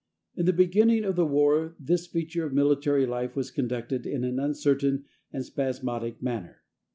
In the beginning of the war this feature of military life was conducted in an uncertain and spasmodic manner.